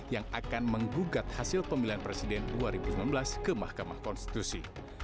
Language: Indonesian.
yang akan menggugat hasil pemilihan presiden dua ribu sembilan belas ke mahkamah konstitusi